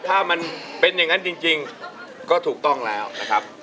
ถ้ามันเป็นอย่างนั้นจริงก็ถูกต้องแล้วนะครับ